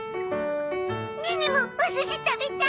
ネネもお寿司食べたい！